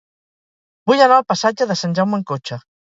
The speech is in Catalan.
Vull anar al passatge de Sant Jaume amb cotxe.